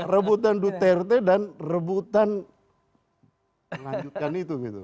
rebutan duterte dan rebutan lanjutkan itu gitu